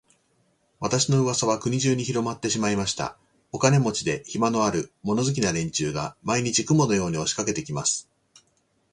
私の噂は国中にひろまってしまいました。お金持で、暇のある、物好きな連中が、毎日、雲のように押しかけて来ます。